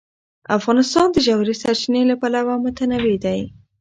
افغانستان د ژورې سرچینې له پلوه متنوع دی.